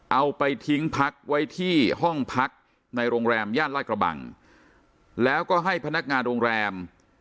เอาไปทิ้งพักไว้ที่ห้องพักในโรงแรมย่านลาดกระบังแล้วก็ให้พนักงานโรงแรม